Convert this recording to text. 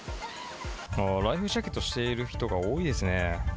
ライフジャケットしている人が多いですね。